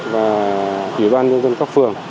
và ủy ban nhân dân các phường